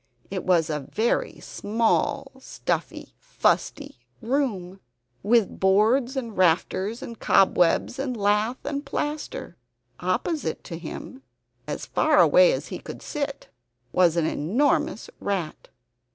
It was a very small stuffy fusty room, with boards, and rafters, and cobwebs, and lath and plaster. Opposite to him as far away as he could sit was an enormous rat.